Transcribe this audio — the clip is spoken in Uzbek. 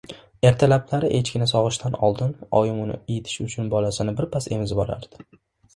Ertalablari echkini sog‘ishdan oldin oyim uni iyitish uchun bolasini birpas emizib olardi.